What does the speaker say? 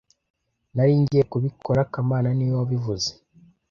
Nari ngiye kubikora kamana niwe wabivuze